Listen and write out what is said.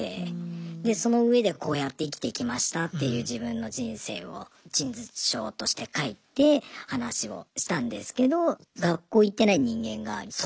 でその上でこうやって生きてきましたっていう自分の人生を陳述書として書いて話をしたんですけど。